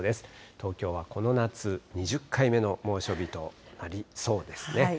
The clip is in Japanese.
東京はこの夏、２０回目の猛暑日となりそうですね。